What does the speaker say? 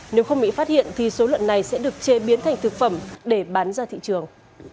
nếu không bị phát hiện thì số lợn này sẽ được chế biến thành thực phẩm để bán ra thị trường